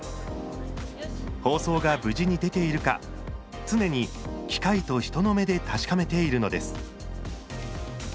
放送が無事に出ているか常に機械と人の目で確かめているのです。